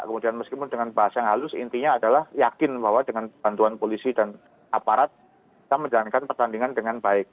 kemudian meskipun dengan bahasa yang halus intinya adalah yakin bahwa dengan bantuan polisi dan aparat kita menjalankan pertandingan dengan baik